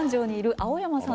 青山さん